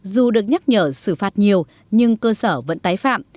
dù được nhắc nhở xử phạt nhiều nhưng cơ sở vẫn tái phạm